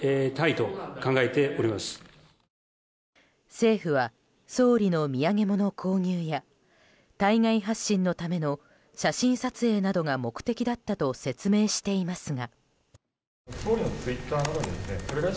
政府は総理の土産物購入や対外発信のための写真撮影などが目的だったと説明していますが。